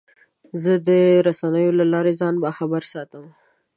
زه د رسنیو له لارې ځان باخبره ساتم.